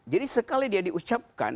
jadi sekali dia diucapkan